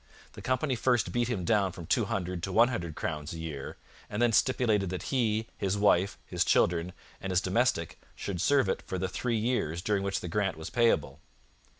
The company first beat him down from two hundred to one hundred crowns a year, and then stipulated that he, his wife, his children, and his domestic should serve it for the three years during which the grant was payable.